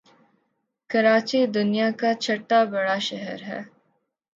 کراچی دنیا کاچهٹا بڑا شہر ہے